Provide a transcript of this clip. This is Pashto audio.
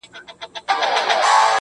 دا عجیبه شاني درد دی، له صیاده تر خیامه.